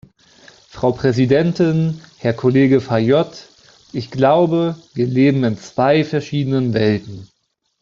Frau Präsidentin, Herr Kollege Fayot! Ich glaube, wir leben in zwei verschiedenen Welten.